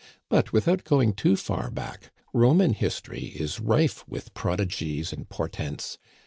But, without going too far back, Roman history is rife with prodigies and portents.